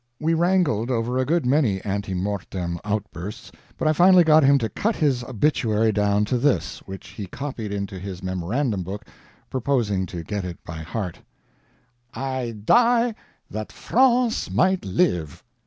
We wrangled over a good many ante mortem outbursts, but I finally got him to cut his obituary down to this, which he copied into his memorandum book, purposing to get it by heart: "I DIE THAT FRANCE MIGHT LIVE."